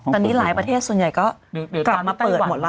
ตอนนี้หลายประเทศส่วนใหญ่ก็กลับมาเปิดหมดแล้ว